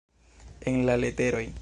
En la leteroj.